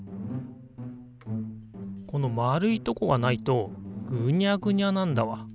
この丸いとこがないとぐにゃぐにゃなんだわ。